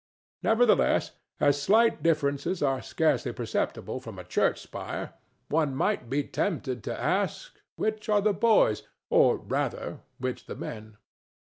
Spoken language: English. Nevertheless, as slight differences are scarcely perceptible from a church spire, one might be tempted to ask, "Which are the boys?" or, rather, "Which the men?"